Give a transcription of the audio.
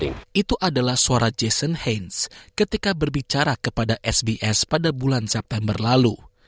itu adalah suara jason hains ketika berbicara kepada sbs pada bulan september lalu